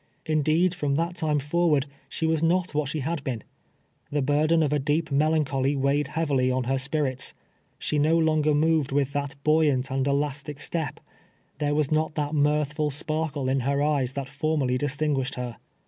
Indeed, from that time forward she was not what she had been. Tlie burden of a deep melancholy weigh ed heavily on her spirits. She no longer moved with that buoyant and elastic step — there was not that mirthful sparkle in her eyes that formerly distin guished her.